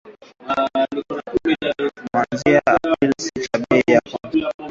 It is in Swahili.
kuanzia Aprili sita bei ya petroli na dizeli iliongezeka kwa shilingi mia tatu ishirini na moja za Tanzania